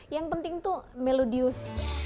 yang penting tuh melodius